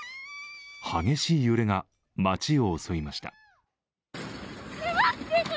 激しい揺れが町を襲いました。